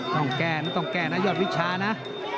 ต้องแก้นะต้องแก้นะยอดวิชานะ